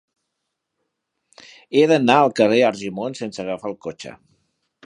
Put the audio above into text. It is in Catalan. He d'anar al carrer d'Argimon sense agafar el cotxe.